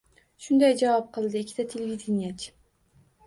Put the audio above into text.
–Shunday! – javob qildi ikkita televideniyechi.